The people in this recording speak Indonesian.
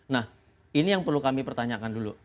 nah ini yang perlu kami pertanyakan dulu